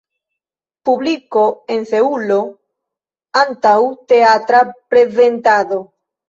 Publiko en Seulo antaŭ teatra prezentado.